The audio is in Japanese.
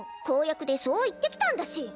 公約でそう言ってきたんだし。